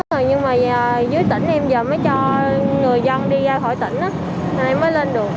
nhưng mà dưới tỉnh em giờ mới cho người dân đi ra khỏi tỉnh nên em mới lên được